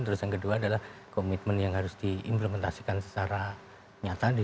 terus yang kedua adalah komitmen yang harus diimplementasikan secara nyata di dalam program program pemerintah untuk